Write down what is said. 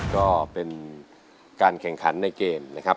ก็เป็นการแข่งขันในเกมนะครับ